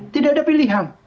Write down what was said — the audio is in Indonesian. tidak ada pilihan